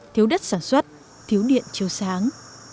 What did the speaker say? thiếu đất sản xuất thiếu điện chiều sáng